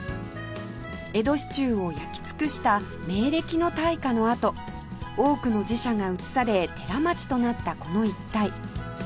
江戸市中を焼き尽くした明暦の大火のあと多くの寺社が移され寺町となったこの一帯